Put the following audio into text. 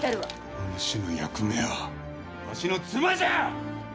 お主の役目は、わしの妻じゃ！